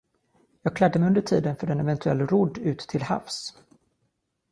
Jag klädde mig under tiden för en eventuell rodd ut till havs.